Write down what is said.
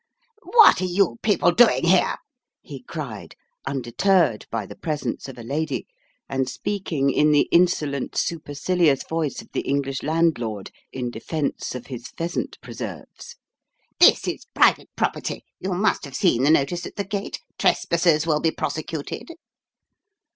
"What are you people doing here?" he cried, undeterred by the presence of a lady, and speaking in the insolent, supercilious voice of the English landlord in defence of his pheasant preserves. "This is private property. You must have seen the notice at the gate, 'Trespassers will be prosecuted.'"